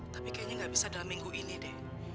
tapi kayaknya nggak bisa dalam minggu ini deh